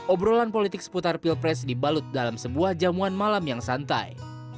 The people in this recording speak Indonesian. obrolan politik seputar pilpres dibalut dalam sebuah jamuan malam yang santai